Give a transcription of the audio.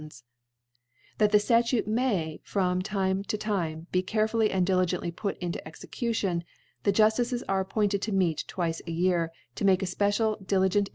f That this Statute may from time to time be carefully and diligently put in Execution,, * The Jufticcs arc appointed to meet twice * a Year, to make a fpecial and diligent *.